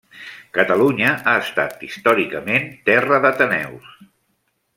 Catalunya ha estat històricament terra d’ateneus.